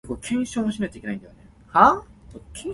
姻緣天註定